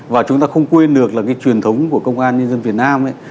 và chúng ta không quên được là cái truyền thống của công an nhân dân việt nam ấy